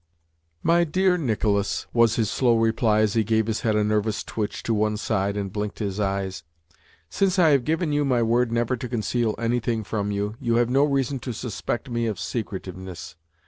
"My dear Nicolas," was his slow reply as he gave his head a nervous twitch to one side and blinked his eyes, "since I have given you my word never to conceal anything from you, you have no reason to suspect me of secretiveness.